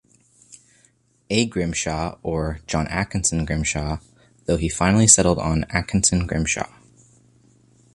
A. Grimshaw", or "John Atkinson Grimshaw", though he finally settled on "Atkinson Grimshaw".